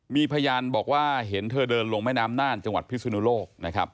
มีพยานบอกว่าเห็นเธอเดินลงแม่น้ำน่านจังหวัดพิศนุโลกนะครับ